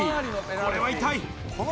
これは痛い。